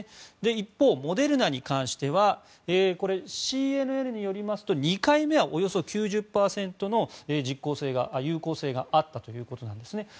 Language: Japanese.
一方、モデルナに関してはＣＮＮによりますと２回目はおよそ９０％の有効性があったということです。